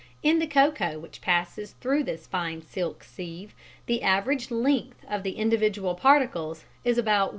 In the cocoa which passes through this fine silk sieve, the average length of the individual particles is about 0.